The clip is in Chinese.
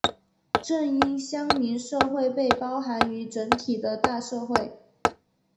正因乡民社会被包含于整体的大社会。